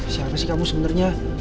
siapa sih kamu sebenernya